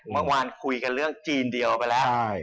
เมื่อวานคุยกันเรื่องจีนเดียวไปแล้ว